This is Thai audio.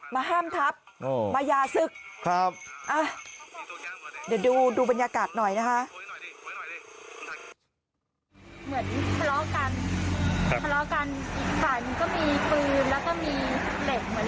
มาห้ามทับมายาศึกเดี๋ยวดูบรรยากาศหน่อยนะคะ